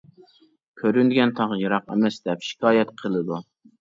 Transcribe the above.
«كۆرۈنگەن تاغ يىراق ئەمەس» دەپ شىكايەت قىلىدۇ.